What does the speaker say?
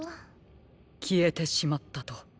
きえてしまったと。